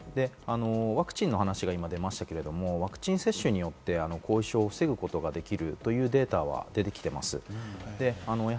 ワクチンの話が今出ましたけれども、ワクチン接種によって後遺症を防ぐことができるというデータは出てきています。